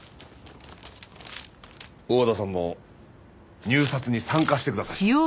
大和田さんも入札に参加してください。